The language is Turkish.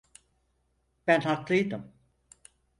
Ben haklıydım.